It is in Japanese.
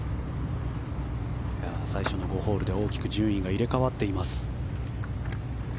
最初の５ホールで大きく順位が入れ替わっています。